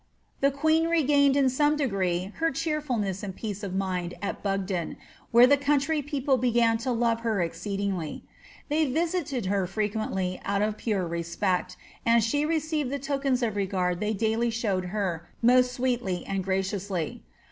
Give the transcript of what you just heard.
The queen regained in some degree her cheerfulness and peace of mind at Bogden, where the country people began to love her exceed ingly. They visited her frequently out of pure respect, and she received the tokens of regard they daily showed her most sweetly and graciously.'